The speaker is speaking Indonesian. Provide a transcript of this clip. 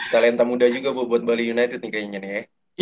talenta muda juga bu buat bali united nih kayaknya nih ya